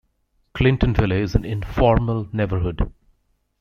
Clintonville is an informal neighborhood.